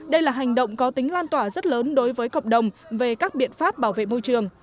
đây là hành động có tính lan tỏa rất lớn đối với cộng đồng về các biện pháp bảo vệ môi trường